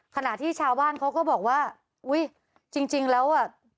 ขณะที่ชาวบ้านเขาก็บอกว่าอุ้ยจริงแล้วอ่ะ